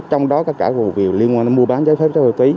trong đó có cả vụ liên quan đến mua bán trái phép hoa túy